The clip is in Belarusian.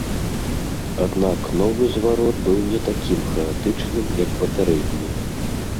Аднак новы зварот быў не такім хаатычным, як папярэдні.